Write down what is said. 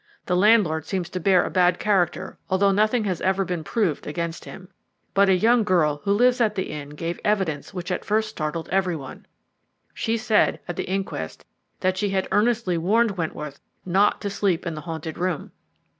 The landlord seems to bear a bad character, although nothing has ever been proved against him. But a young girl who lives at the inn gave evidence which at first startled every one. She said at the inquest that she had earnestly warned Wentworth not to sleep in the haunted room.